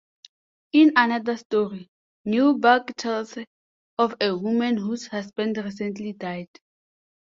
In another story Newburgh tells of a woman whose husband recently died.